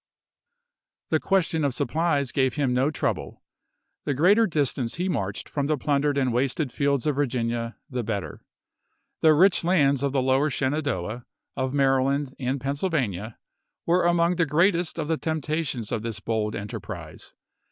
The question of supplies gave him no trouble. The greater distance he marched from the plundered THE INVASION OF PENNSYLVANIA 203 and wasted fields of Virginia the better. The rich ch. viii. lands of the Lower Shenandoah, of Maryland, and Pennsylvania, were among the greatest of the temptations of this bold enterprise.